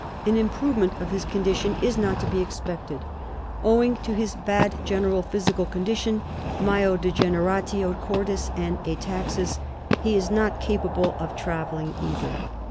An improvement of his condition is not to be expected. Owing to his bad general physical condition (Myodegeneratio cordis and Ataxis) he is not capable of traveling either.